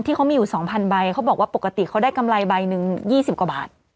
ที่เขามีอยู่๒๐๐ใบเขาบอกว่าปกติเขาได้กำไรใบหนึ่ง๒๐กว่าบาท